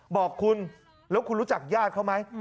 บอกคุณแล้วคุณรู้จักญาติเขาไหม